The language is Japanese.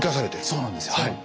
そうなんですよはい。